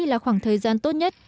là khoảng thời gian tốt nhất